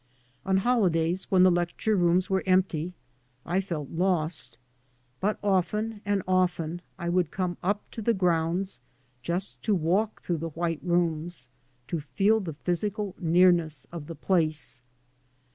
On holidays when the lecture rooms were empty I felt lost; but often and often I would come up to the grounds just to walk through the white rooms, to feel the physical neafness of the place.